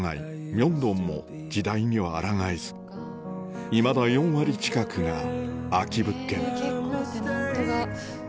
明洞も時代にはあらがえずいまだ４割近くが空き物件結構テナントが。